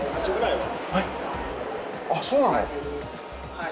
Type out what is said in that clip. はい。